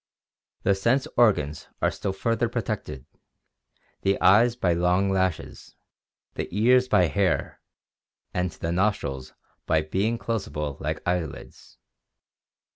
The sense organs are still further protected, the eyes by long lashes, the ears by hair, and the nostrils by being closable like eyelids.